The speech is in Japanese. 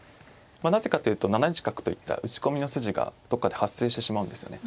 なぜかっていうと７一角といった打ち込みの筋がどっかで発生してしまうんですよね。